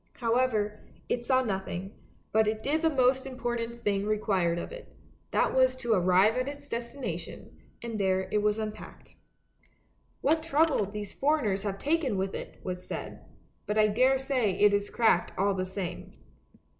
How ever, it saw nothing, but it did the most important thing THE BOTTLE NECK 89 required of it; that was to arrive at its destination, and there it was unpacked. "What trouble these foreigners have taken with it!" was said, " but I daresay it is cracked all the same."